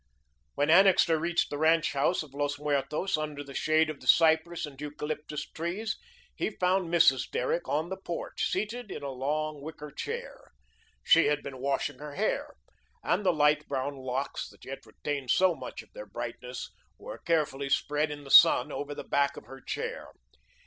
When Annixter reached the ranch house of Los Muertos, under the shade of the cypress and eucalyptus trees, he found Mrs. Derrick on the porch, seated in a long wicker chair. She had been washing her hair, and the light brown locks that yet retained so much of their brightness, were carefully spread in the sun over the back of her chair.